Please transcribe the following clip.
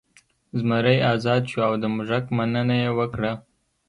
زمری ازاد شو او د موږک مننه یې وکړه.